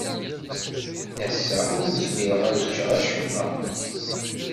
Ass-a, ur zmireɣ ad ččeɣ acemma.